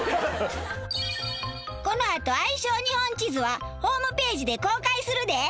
このあと相性日本地図はホームページで公開するで！